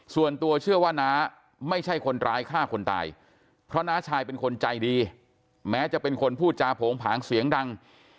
ส่วนตัวเชื่อว่าน้าไม่ใช่คนร้ายฆ่าคนตายเพราะน้าชายเป็นคนใจดีแม้จะเป็นคนพูดจาโผงผางเสียงดัง